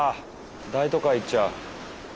大都会行っちゃう。